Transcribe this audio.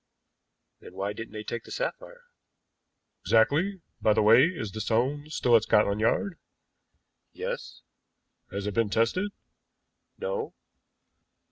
"Then why didn't they take the sapphire?" "Exactly. By the way, is the stone still at Scotland Yard?" "Yes." "Has it been tested?" "No."